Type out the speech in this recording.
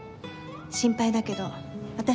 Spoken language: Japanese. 心配だけど私